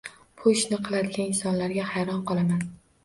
Bu ishni qiladigan insonlarga hayron qolaman.